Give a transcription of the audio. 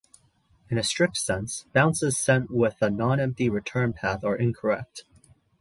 In a strict sense, bounces sent with a non-empty Return-Path are incorrect.